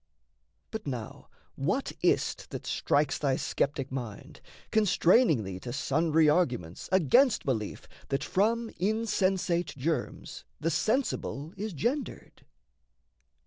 But now, what is't that strikes thy sceptic mind, Constraining thee to sundry arguments Against belief that from insensate germs The sensible is gendered?